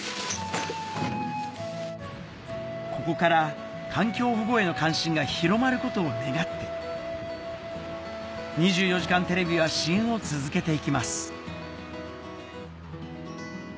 ここから環境保護への関心が広まることを願って『２４時間テレビ』は支援を続けていきます